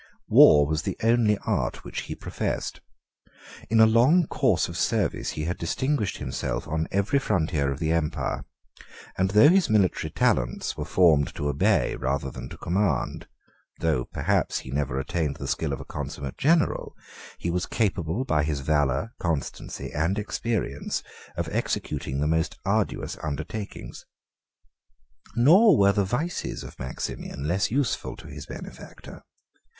War was the only art which he professed. In a long course of service he had distinguished himself on every frontier of the empire; and though his military talents were formed to obey rather than to command, though, perhaps, he never attained the skill of a consummate general, he was capable, by his valor, constancy, and experience, of executing the most arduous undertakings. Nor were the vices of Maximian less useful to his benefactor.